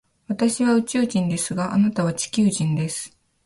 私は宇宙人ですが、あなたは地球人です。